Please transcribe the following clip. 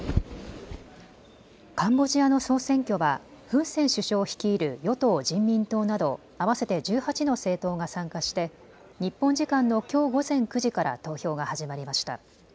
カンボジアの総選挙はフン・セン首相率いる与党・人民党など合わせて１８の政党が参加して日本時間のきょう午前９時から投票が始まりました。